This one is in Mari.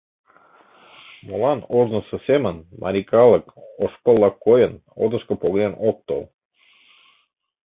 Молан ожнысо семын марий калык, ош пылла койын, отышко погынен ок тол?